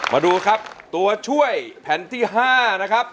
มาดูครับตัวช่วยแผ่นที่๕นะครับ